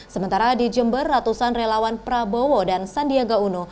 sementara di jember ratusan relawan prabowo dan sandiaga uno